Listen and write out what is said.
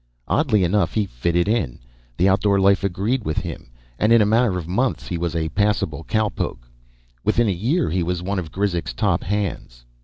Oddly enough, he fitted in. The outdoor life agreed with him, and in a matter of months he was a passable cowpoke; within a year he was one of Grizek's top hands.